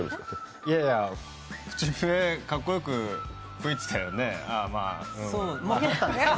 いやいや、口笛かっこよく吹いてたよね